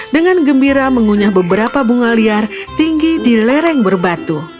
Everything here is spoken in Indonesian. dengan gembira mengunyah beberapa bunga liar tinggi di lereng berbatu